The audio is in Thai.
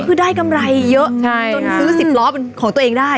คือได้กำไรเยอะจนซื้อ๑๐ล้อเป็นของตัวเองได้